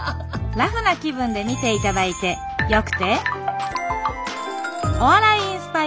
ラフな気分で見て頂いてよくて？